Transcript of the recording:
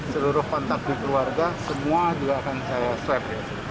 seluruh kontak di keluarga semua juga akan saya swab